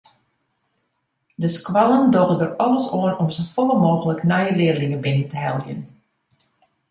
De skoallen dogge der alles oan om safolle mooglik nije learlingen binnen te heljen.